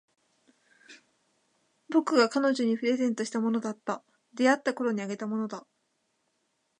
僕が彼女にプレゼントしたものだった。出会ったころにあげたものだ。